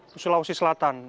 dari sulawesi selatan